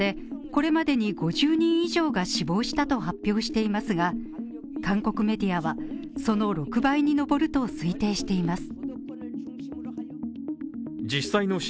これまでに５０人以上が死亡したと発表していますが、韓国メディアはその６倍に上ると推定しています。